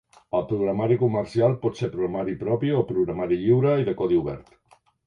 El programari comercial pot ser programari propi o programari lliure i de codi obert.